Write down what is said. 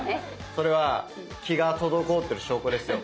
それは「気」が滞ってる証拠ですよ。